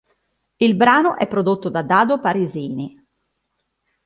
Il brano è prodotto da Dado Parisini.